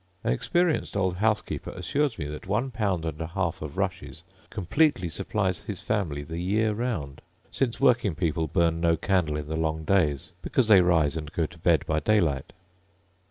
An experienced old housekeeper assures me that one pound and a half of rushes completely supplies his family the year round, since working people burn no candle in the long days, because they rise and go to bed by daylight.